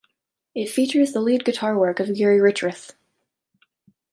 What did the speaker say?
It features the lead guitar work of Gary Richrath.